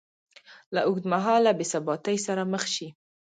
له اوږدمهاله بېثباتۍ سره مخ شي